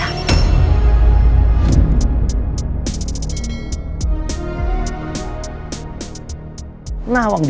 aku kecewa sis